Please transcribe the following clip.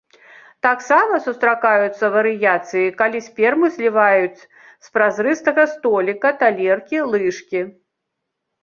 Таксама сустракаюцца варыяцыі, калі сперму злізваюць з празрыстага століка, талеркі, лыжкі.